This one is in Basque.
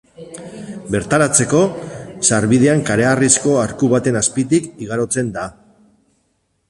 Bertaratzeko, sarbidean kareharrizko arku baten azpitik igarotzen da.